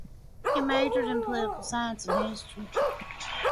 He majored in political science and history.